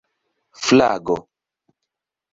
flago